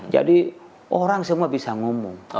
jadi orang semua bisa ngomong